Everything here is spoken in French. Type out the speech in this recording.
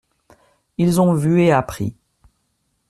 Ils ont vu et appris.